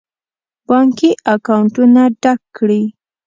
بانکي اکاونټونه ډک کړي.